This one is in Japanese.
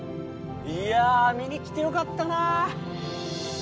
いや見に来てよかったなあ。